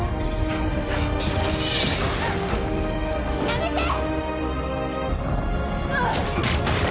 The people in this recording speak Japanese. やめて！